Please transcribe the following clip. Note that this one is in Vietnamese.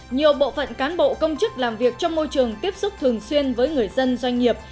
nhiều bộ phận cán bộ công chức làm việc trong môi trường tiếp xúc thường xuyên với người dân doanh nghiệp